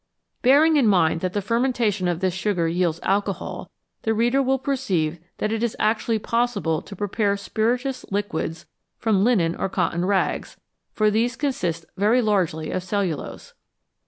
Bearing in mind that the fermentation of this sugar yields alcohol, the reader will perceive that it is actually possible to prepare spirituous liquors from linen or cotton rags, for these consist very largely of cellulose.